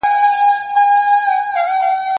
سوداګر باید شفاف عمل وکړي.